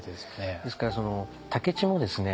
ですから武市もですね